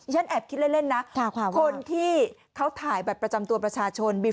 ฉันแอบคิดเล่นนะคนที่เขาถ่ายบัตรประจำตัวประชาชน